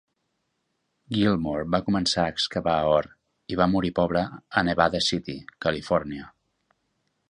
Gilmore va començar a excavar or i va morir pobre a Nevada City, Califòrnia.